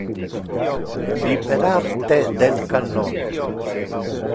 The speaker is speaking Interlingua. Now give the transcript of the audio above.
Liberar te del cannon.